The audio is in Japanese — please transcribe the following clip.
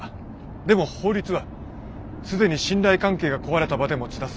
でも法律は既に信頼関係が壊れた場で持ち出すもの。